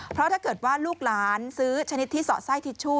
เพราะถ้าเกิดว่าลูกหลานซื้อชนิดที่สอดไส้ทิชชู่